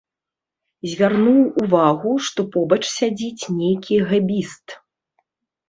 Звярнуў увагу, што побач сядзіць нейкі гэбіст.